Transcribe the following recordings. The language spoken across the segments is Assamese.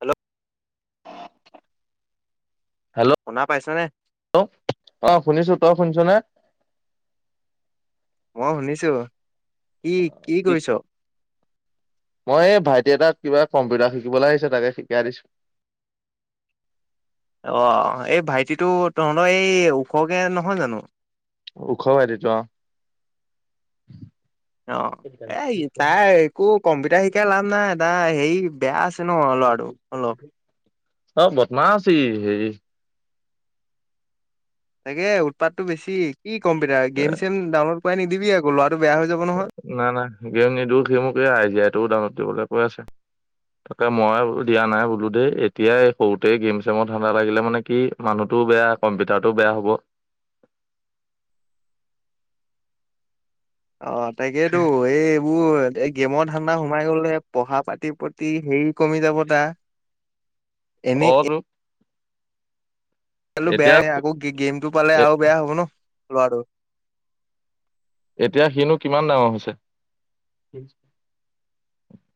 হেল্ল'। শুনা পাইছনে? হেল্ল' অ শুনিছো তই? শুনিছ নে? মই শুনিছো কি, কি কৰিছ? মই এই ভাইটি এটা কিবা কম্পিউটাৰ শিকিবলৈ আহিছে তাকে শিকাই দিছো। [inaudible] অ' এই ভাইটিটো তহঁতৰ এই ওখকে নহয় জানো? উখ [unintelligible] অ'। অ এ তাই একো কম্পিউটাৰ শিকাই লাভ নাই, তাই হেৰি বেয়া আছ- [unintelligible] লৰাটো অলপ। অ বদমাছ ই হেৰি তাকে উৎপাতটো বেছি কি কম্পিউটাৰ গেম চেম ডাউনলোড কৰাই নিদিবি আকৌ লৰা নাই নাই গেম নিদিওঁ সি মোকে আই দি আই টো ডাউনলোড দিবলৈ কৈ আছে। তাকে মই দিয়া নাই বোলো দেই, এতিয়াই সৰুতেই গেম চেমৰ ধান্দা লাগিলে মানে কি মানুহটো বেয়া কম্পিউটাৰটো বেয়া হ'ব [unintelligible] অ তাকেইেতো এই এইবোৰ গেমৰ ধান্দা সোমাই গলে পঢ়া পাতিৰ প্ৰতি হেৰি কমি যাব তাৰ। এনেই অ, তো। এতিয়া বেয়া আকৌ গেমটো পালে এ আৰু বেয়া হ'ব ন লৱাটো এতিয়া হিনো কিমান ডাঙৰ হৈছে?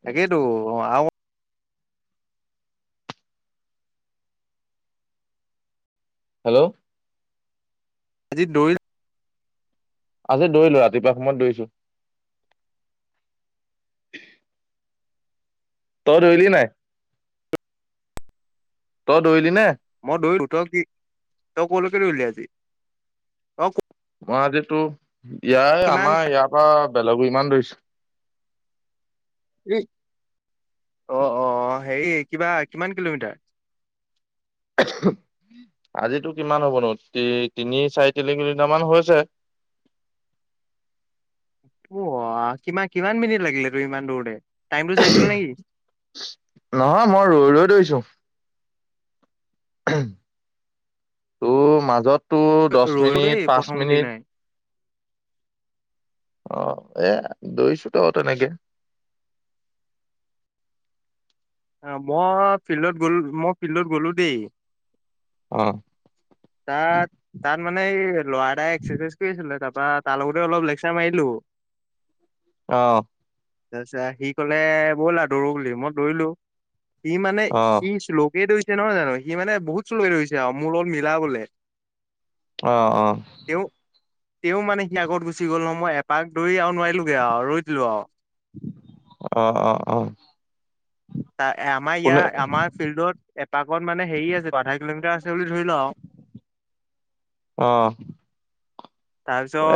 তাকেইতো আৰু হেল্ল' আজি দৌৰিলা আজি দৌৰিলো ৰাতিপুৱা সময়ত দৌৰিছো। তই দৌলি নাই? তই দৌৰিলি নে? মই দৰিলো, তই কি, তই কলৈকে দৌৰিলি আজি তই মই আজিতো ইয়া কিমান আমাৰ ইয়াৰ পৰা বেলগুৰিমান দৌৰিছো। উম। অ', অ' হেৰি কিবা কিমান কিলোমিটাৰ? [unintelligible] আজিটো কিমান হ'বনো তি তিনি চাৰি তিনি কিলোমিটাৰ মান হৈছে। [unintelligible] কিমান মিনিট লাগিলে তোৰ ইমান দৌৰোতে? টাইমটো চাইছিল নেকি নহয় মই ৰৈ-ৰৈ দৌৰিছোঁ। তোৰ মাজত টোৰ দশ ৰলো দেই মিনিট পাঁচ প্ৰথম মিনিট দিনাই অহ এ দৈইছো ত তেনেকে। অ', মই ফিল্ডত গলো, মই ফিল্ডত গলো দেই। অ তাত-তাত মানে এই লৰা এাই এক্সাৰচাইজ কৰিছিলে তাপা তাৰ লগতে অলপ লেকচাৰ মাৰিলো। অ'। তাৰ পিছত সি কলে বলা দৌৰো বুলি মই দৌৰিলো। সি মানে অ সি শ্লোক সিয়ে দৌৰিছে নহয় জানো সি মানে বহুত শ্লো দৌৰিছে আৰু মোৰ লগত মিলা বোলে। অ', অ। তেওঁ মানে সি আগত গুচি গ'ল ন, মই এপাক দৌৰি আৰু নোৱাৰিলোগে আৰু ৰৈ দিলো আৰু। অহ অ অ। আমাৰ কোনে ইয়াত আমাৰ ফিল্ডত এপাকত মানে হেৰি আছে আধা কিলোমিটাৰ আছে। বুলি ধৰি ল‌ আউ। অহ।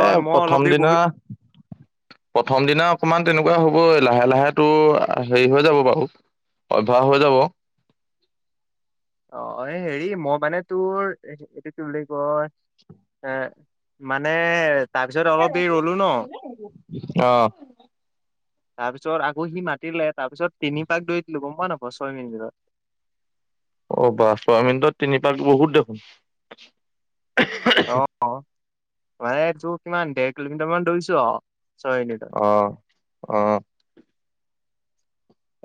এ মই অলপ প্ৰথম দেৰি দিনা, বহি প্ৰথম দিনা অকমান তেনে [unintelligible] হব এ লাহে লাহেটো হেৰি হৈ যাব বাৰু অভ্যাস হৈ যাব। অ' এই হেৰি মই মানে তোৰ এইটো কি বুলি কয় এ মানে তাৰপিছত অলপ দেৰি ৰ'লো ন অ তাৰপিছত আকৌ সি মাতিলে তাৰপিছত তিনি পাক দৌৰি দিলো গম পাৱ নাপাৱ ছয় মিনিটত অ বা ছয় মিনিটত তিনি পাক বহুত দেখোন। অ মানে তোৰ কিমান দেৰ কিলোমিটাৰ মান ধৌৰিছো আৰু। ছয় মিনিটত অহ অহ।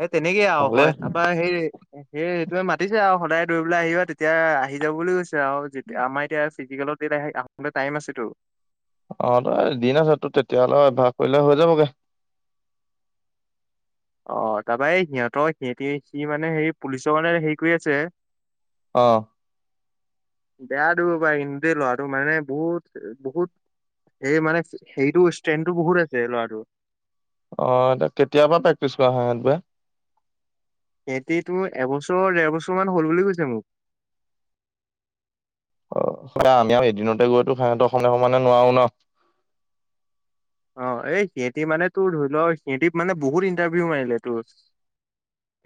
এই তেনেকেই আৰু ভালে হয় তাৰপাৰ সেই সেই সেইটোৱে মাতিছে আৰু সদায় দৌৰিবলৈ আহিবা তেতিয়া আহি যাব বুলি কৈছে আৰু যেতিয়া, আমাৰ এতিয়া ফিজিকেলত দিনা আহবলে টাইম আছে তো। অ তই দিন আছে তোৰ তেতিয়াহলে অভ্যাস কৰিলে হৈ যাবগে। অ তাৰপৰা এই সিহঁতৰ সিহতি সি মানে সে পুলিচৰ মানে হেৰি কৰি আছে। অ। বেয়া দৰিব পাৰে কিন্তু দেই লৰাটো মানে বহুত, বহুত এই মানে সেইটো ষ্ট্ৰেনটো বহুত আছে ল'ৰাটোৰ। অ এ কেতিয়াবা প্ৰেক্টিচ কৰা হয় সেইটোৱে। হেতি তো এবছৰ ডেৰ বছৰ মান হল বুলি কৈছে মোক। অ স আমি আৰু এদিনতে গৈতো সিহত অসমে সমানে নোৱাৰো ন। অ এই সিয়েতি মানে তোৰ ধৰি ল সিহতি মানে বহুত ইণ্টাৰভিউ মাৰিলে তোৰ।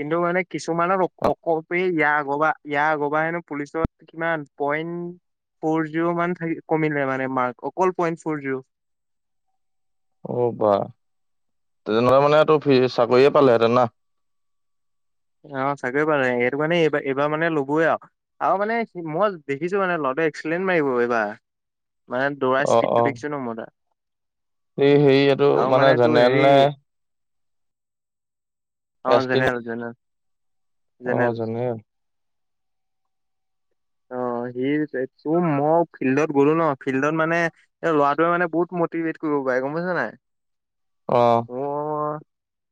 কিন্তু মানে কিছুমানৰ অক অক ইয়াৰ আগবাৰ ইয়াৰ আগবাৰ হেনো পুলিচত কিমান পইণ্ট ফ'ৰ জিৰ' মান কমিলে মানে মাৰ্ক অকল পইণ্ট ফৰ জিৰ'। [unintelligible] অ বা! তেনেহলে মানেটো [unintelligible] চাকৰিয়ে পালেহেঁতেন ন? অ চাকৰি পালে সেইটো মানে এইবাৰ এইবাৰ মানে লবোয়ে আৰু। আৰু মানে মই দেখিছো মানে ল এক্সেলেন মাৰিব এইবাৰ মানে দৌৰা অ অ স্পীডটো দেখিছো ন মই তাৰ। এই হেৰি এইটো আৰু মানে তোৰ জেনেৰেল হেৰি নে? অ এছ টি নে জেনেৰেল, জেনেৰেল। জেনেৰেল। অহঁ। অ' সেই ত মই ফিল্ডত গলো ন ফিল্ডত মানে এ ল'ৰাটোৱে মানে বহুত মটিভেট কৰিব বাই গম পাইছা নাই? আহ। মোৰ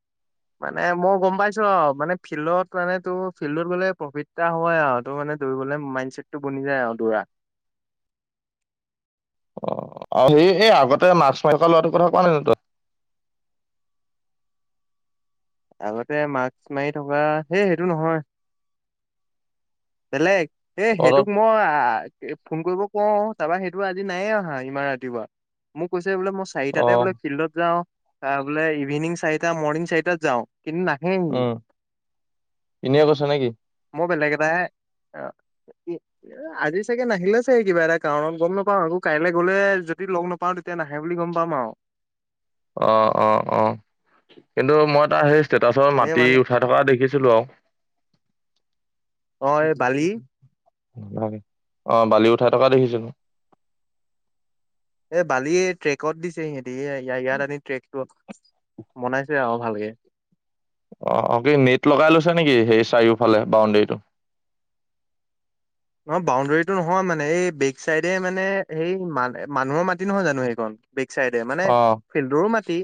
[inaudible] মানে মই গম পাইছো আৰু মানে ফিল্ডত মানে তোৰ ফিল্ডত গলে প্ৰফিটটা হয় আৰু তোৰ মানে দৌৰিবলে মাইনচেটটো বনি যায় আৰু দৌৰা। অ 'আৰু সেই এই আগতে মাৰ্ক্স মাৰি লোৱাটো কথা কোৱা নাই নো তই? আগতে মাক্স মাৰি থকা সেই সেইটো নহয়। বেলেগ, এহঁ সেইটোক অত মই আ ফোন কৰিব অহঁ তাৰপৰা সেইটো আজি নায়ে আহা ইমান ৰাতিপুৱা, মোক কৈছ বোলে মই অ চাৰিটাতে বোলে ফিল্ডত যাওঁ, বোলে ইভিনিং চাৰিটা, মৰ্ণিং চাৰিটাত যাওঁ। কিন্তু নাহেই, উম এনেই কৈছ নেকি মই বেলেগ এটা অহঁ। এহ আজি চাগে নাহিলে চাগে কিবা এটা কাৰণত গম নাপাও আকৌ কাইলৈ গলে যদি লগ নাপাওঁ তেতিয়া নাহে বুলি গম পা পাম আওঁ। অহঁ অহঁ অহঁ, কিন্তু মই এ তাৰ হেৰি ষ্টেটাচৰ এই মাটি মানে উঠাই থকা দেখিছিলো আৰু। অ এই সেইটো বালি বস্তু অহঁ, বালি উঠাই থকা দেখেছিলো। এ' বালি ট্ৰেকত দিছে সিহতি ইয়া ইয়াত আনি ট্ৰেকটো বনাইছে আৰু ভালকে। অ, অ' কি নেট লগাই লৈছে নেকি সেই চাৰিওফালে বাউণ্ডেৰীটো? অ 'বাউণ্ডৰীটো নহয় মানে এই বেক চাইডে মানে সেই মান মানুহৰ মাটি নহয় জানো সেইখন। বেক চাইডে মানে অ', ফিল্ডৰো মাটি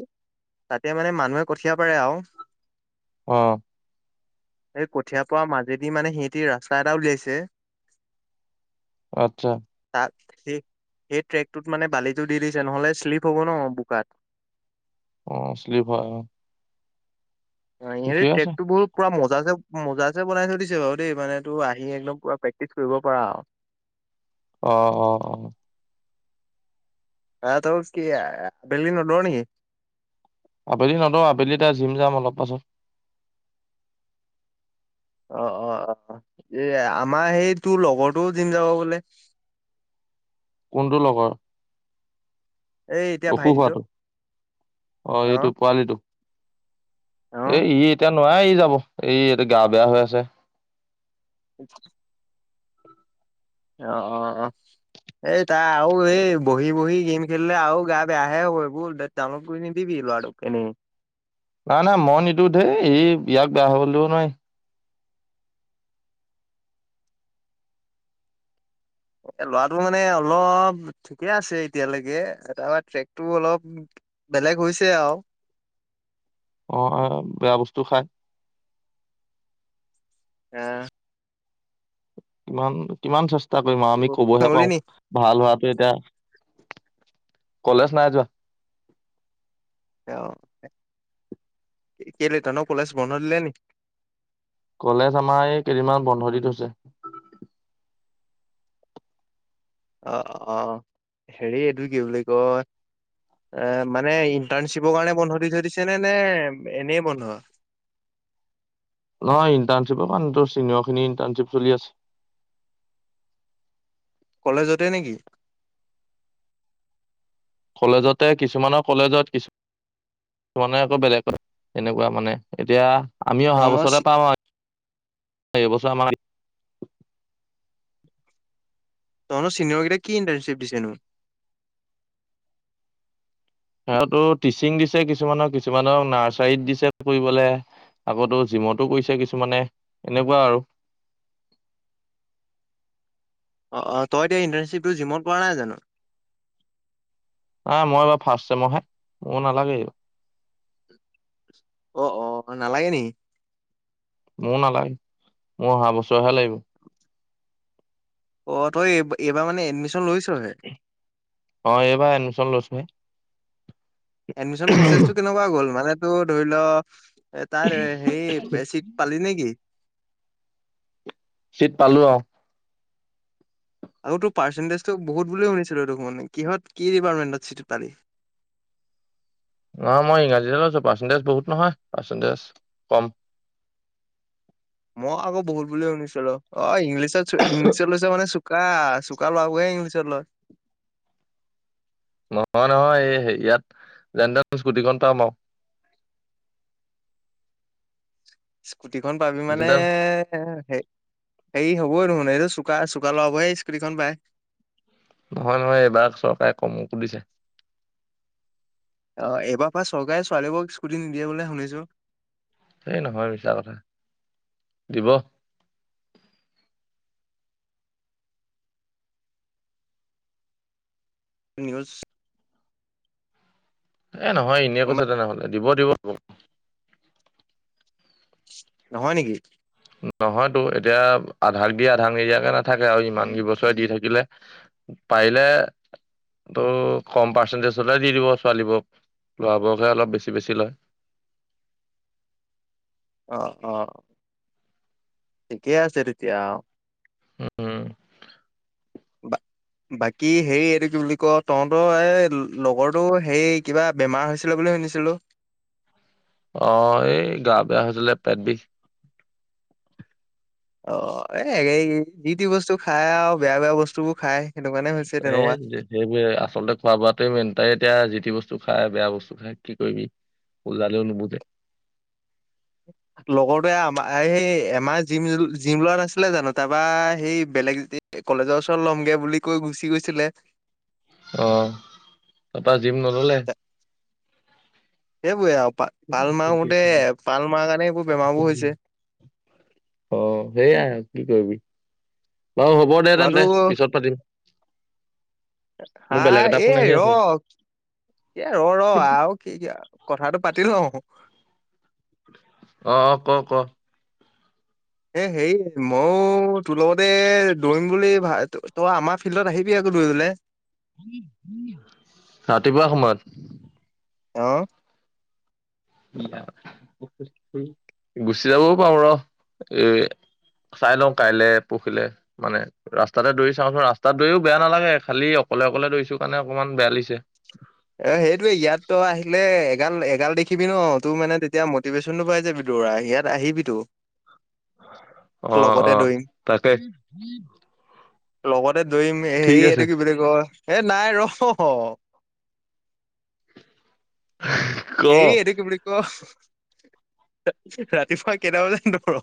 তাতে মানে মানুহে কঠিয়া পাৰে আৰু। অ। এই কঠিয়াৰ পৰা মাজেদি মানে সিহতি ৰাস্তা এটা উলিয়াইছে আচ্ছা। তাত সেই সেই ট্ৰেকটোত মানে বালিটো দি দিছে, নহলে শ্লিপ হ'ব ন বোকাত। অ শ্লিপ হয়। অ ইহঁতে ঠিকে আছে। ট্ৰেকটো ব পুৰা ম জাছে মজাছে বনাই থৈ দিছে বাৰু দেই মানে তোৰ আহি একদম পুৰা প্ৰেক্টিচ কৰিব পাৰা আৰু। [inaudible] অহঁ অহঁ অহঁ। আহ ত কি আবেলি ন দৌৰ নেকি? আবেলি নদৌৰো আবেলি এয়া জিম যাম অলপ পাছত। অ, অ, অ, ' এই আমাৰ সেই তোৰ লগৰটো জিম যাব বোলে। [inaudible] কোনটো লগৰ। এই এতিয়া অসুখ ভাইটিটো হোৱাটো অ অ এইটো পোৱালিটো। অ এ ই এতিয়া নোৱাই ই যাব এই এতি গা বেয়া হৈ আছে। আ। অ অ অ, এই তাই আৰু এই বহি বহি গেম খেলিলে আৰু গা বেয়াহে হ'ব বল ডাউনলোড কৰি নিদিবি লৰাটোক কেনে নাই নাই মই নিদো ধেই ই ইয়াক বেয়া হবলেও নায়। এ ল'ৰাটো মানে অলপ ঠিকে আছে এতিয়ালৈকে তাৰপৰা ট্ৰেকটো অলপ। বেলেগ হৈছে আৰু আহ' বেয়া বস্তু খাই। আহ। কিমান কিমান চেষ্টা কৰিম আৰু আমি কবহে নগলি পাও নি ভাল হোৱাত এতিয়া কলেজ নাই যোৱা। অ' কেলেটা ন কলেজ বন্ধ দিলে নেকি? কলেজ আমাৰ এই কেইদিনমান বন্ধ দি থৈছে। অ' অ, হেৰি এইটো কি বুলি কয়? এ, মানে ইণ্টাৰ্ণশ্বিপৰ কাৰণে বন্ধ দি থৈ দিছে নে নে এনেই বন্ধ? [inaudible] নহয় ইণ্টাৰ্ণশ্বিপৰ মান চিন খিনি ইণ্টাৰ্ণশ্বিপ চলি আছে। কলেজতে নেকি? কলেজতে কিছুমানৰ কলেজত কিছু- মানে আকৌ বেলেগ এনেকুৱা মানে এতিয়া আমি অহা তহঁতৰ চি বছৰতে পাম আৰু এইবছৰ আমাৰ তন চিনিয়ৰ গিটা কি ইণ্টাৰ্নশ্বিপ দিছে নু? সিহঁতো টিচিং দিছে কিছুমানক কিছুমানক নাৰ্চাৰীত দিছে কৰিবলে আগতো জিমতো কৰিছে কিছুমানে এনেকুৱা আৰু। [inaudible] অ তই এতিয়া ইণ্টাৰশ্বিপটো, জিমত পোৱা নাই জানো। না, মই এইবাৰ ফাৰ্ষ্ট চেমৰ হে মোৰ নালাগে। অ অ নালাগে নি মোৰ নালাগে মোৰ অহা বছৰহে লাগিব। অ' তই এইবাৰ এইবাৰ মানে এডমিশন লৈছ। অ' এইবাৰ এডমিশন লৈছ নাই? এডমিচন প্ৰচেছটো কেনেকুৱা গ'ল মানে তোৰ ধৰি ল এ 'তাৰ হে চিট পালি নেকি? চিট পালো আৰু আৰু তোৰ পাৰ্চেণ্টিজটো বহুত বুলি শুনিছিলো দেখোন কিহত কি ডিপাৰ্টমেণ্টত চিট পালি [inaudible] অ মই ইংৰাজী লৈছো পাৰ্চেণ্টিজ বহুত নহয় পাৰ্চেণ্টেজ কম মই আকৌ বহুত বুলি শুনিছিলো। অ ইংলিছত ইংলিছত লৈছে মানে চোকা, চোকা লৰাবোৰে ইংলিচত লয় নহয় নহয় এই হে ইয়াত যেন তেন স্কুটিখন পাম আৰু স্কুটি পাবি মানে যেনতেন হেৰি হবই নখোন এইটো চোকা-চোকা লৰাবোৰ সে স্কুটীখন পাই নহয় নহয় এইবাৰ চৰকাৰে কমকো দিছে অহঁ এবাৰ পৰা চৰকাৰে ছোৱালীবোৰক স্কুটি নিদিয়ে বোলে শুনিছোঁ। সেই নহয় মিছা কথা দিব। নিউজ এ, নহয় এনেই কৈছে তেনেহ'লে দিব দিব। নহয় নেকি? নহয়তো। এতিয়া, আধাক দি, আধাক নিদিয়াকে নাথাকে আৰু ইমান কিবছৰ বছৰে দি থাকিলে। পাৰিলে তইয়ো কম পাৰ্চেন্টিজ হ'লে দি দিব ছোৱালীবোৰক, লৰাবোৰকহে অলপ বেছি, বেছি লয়। [inaudible] অ'! অ'! ঠিকেই আছে তেতিয়া আও। উম! উ! [unintelligible] বাকী হেৰি এইটো কি বুলি কও তহঁতৰ এই লগৰটো হেৰি কিবা বেমাৰ হৈছিলে বুলি শুনিছিলোঁ। অ'! এই গা বেয়া হৈছিলে, পেট বিষ। অ'! এই যি তি বস্তু খায় আও, বেয়া, বেয়া বস্তুবোৰ খায়। [unintelligible] আচলতে খোৱা-বোৱাাতোৱে মেন। তাই এতিয়া যি টি বস্তু খায়, বেয়া বস্তু খায় কি কৰিবি, বুজালেও নুবুজে। [inaudible] লগৰটোৱে আমাৰ সেই, এমাহ জিম, জিম লোৱা নাছিলে জানোঁ। তাৰপা সেই, বেলেগ কলেজৰ ওচৰত ল'মগে বুলি কৈ গুচি গৈছিলে। অ'! তাৰপা জিম নললে? সেইবোৰে আৰু পাল মাৰোঁতে, পাল মাৰা কাৰণে, এইবোৰ বেমাৰবোৰ হৈছে। অ'! সেইয়াই কি কৰিবি। বাৰু হ'ব দে ল'ৰাটো তেন্তে, পিছত পাতিম। হা, মোৰ বেলেগ এটা এ, ফোন আহি ৰ, আছে এ, ৰ, ৰ আৰু কি কিয়। কথাটো পাতি লওঁ ক'। অ'! ক' ক'। এ' হেৰি মইও তোৰ লগতে দৌৰিম বুলি ভা, তই আমাৰ ফিল্ডত আহিবি দৌৰিবলে। ৰাতিপুৱা সময়ত? অ'! গুচি যাবও পাৰোঁ ৰ'। এ চাই লওঁ, কাইলৈ, পৰখিলে মানে, ৰাস্তাতে দৌৰি চাওঁচোন, ৰাস্তাত দৌৰিও বেয়া নালাগে। খালি অকলে, অকলে দৌৰিছো কাৰণে অকমান বেয়া লাগিছে। অ'! সেইটোৱে, ইয়াত ত' আহিলে এগাল, এগাল দেখিবি ন', তোৰ মানে, তেতিয়া মতিভেচন পাই যাবি [unintelligible] ইয়াত আহিবিতো? অ'! লগতে অ'! দৌৰিম তাকে। লগতে দৌৰিম ঠিক হেৰি আছে এইটো কি বুলি কয়, এই নাই ৰ'। ক হেৰি এইটো কি বুলি ক ৰাতিপুৱা কেইটা বজাত দৌৰ?